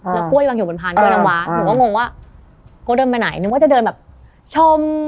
แล้วกล้วยวางอยู่บนพานด้วยน้ำว้าหนูก็งงว่าโก้เดินไปไหนนึกว่าจะเดินแบบชม